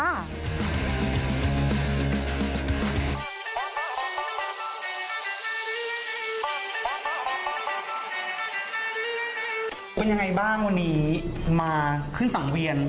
เป็นยังไงบ้างวันนี้มาขึ้นสังเวียน